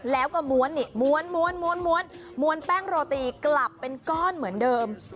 แล้วก็ม้วนนี่ม้วนม้วนแป้งโรตีกลับเป็นก้อนเหมือนเดิม